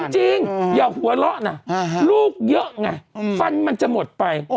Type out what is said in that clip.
จริงอย่าหัวเราะนะลูกเยอะไงฟันมันจะหมดไป